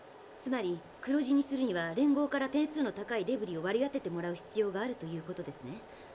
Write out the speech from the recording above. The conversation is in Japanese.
つまり黒字にするには連合から点数の高いデブリを割り当ててもらう必要があるということですね。